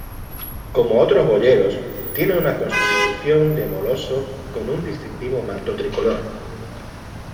Como otros boyeros, tiene una constitución de moloso con un distintivo manto tricolor.